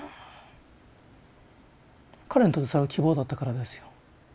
彼らにとってそれは希望だったからですよ。